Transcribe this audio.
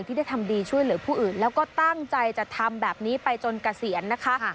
ที่ได้ทำดีช่วยเหลือผู้อื่นแล้วก็ตั้งใจจะทำแบบนี้ไปจนเกษียณนะคะ